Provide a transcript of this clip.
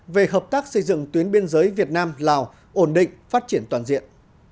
về hợp tác xây dựng tuyến biên giới việt nam lào ổn định phát triển toàn diện